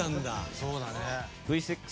そうだね。